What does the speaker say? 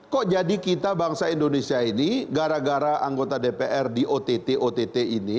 kok jadi kita bangsa indonesia ini gara gara anggota dpr di ott ott ini